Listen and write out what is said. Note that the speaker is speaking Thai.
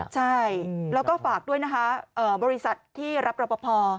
ใช่แล้วก็ฝากด้วยบริษัทที่รับรับประพอ